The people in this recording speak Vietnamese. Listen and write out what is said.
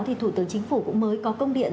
thì thủ tướng chính phủ cũng mới có công điện